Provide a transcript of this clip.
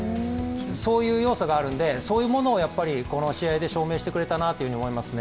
そういう要素があるのでそういうものをやっぱりこの試合で証明してくれたなと思いますね。